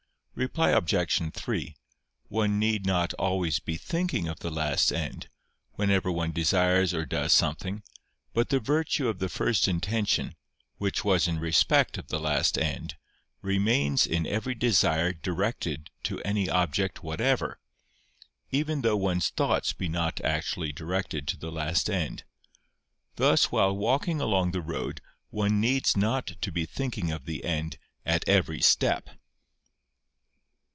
Reply Obj. 3: One need not always be thinking of the last end, whenever one desires or does something: but the virtue of the first intention, which was in respect of the last end, remains in every desire directed to any object whatever, even though one's thoughts be not actually directed to the last end. Thus while walking along the road one needs not to be thinking of the end at every step.